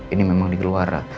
ini memang dikeluar